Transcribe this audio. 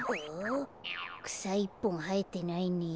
くさいっぽんはえてないね。